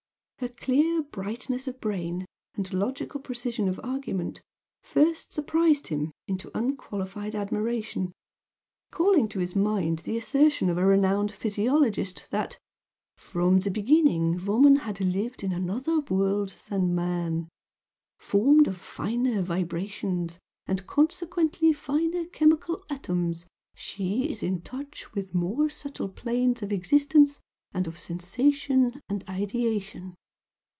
Her clear brightness of brain and logical precision of argument first surprised him into unqualified admiration, calling to his mind the assertion of a renowned physiologist that "From the beginning woman had lived in another world than man. Formed of finer vibrations and consequently finer chemical atoms she is in touch with more subtle planes of existence and of sensation and ideation.